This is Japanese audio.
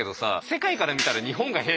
世界から見たら日本が「へ」